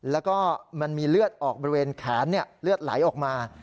แล้วก็มันมีเลือดออกบริเวณแขนเลือดไหลออกมา